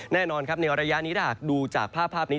แน่นอนครับในระยะนี้ถ้าหากดูจากภาพนี้